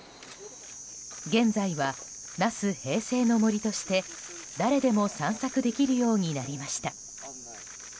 現在は、那須平成の森として誰でも散策できるようになりました。